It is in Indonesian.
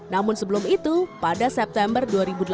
namun sebelum itu pada september dua ribu delapan belas